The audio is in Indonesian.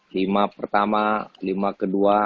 lima pertama lima kedua